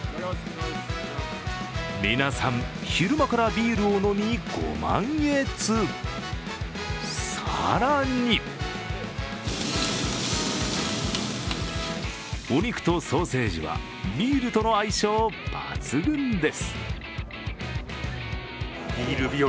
皆さん、昼間からビールを飲みご満悦、更にお肉とソーセージはビールとの相性抜群です。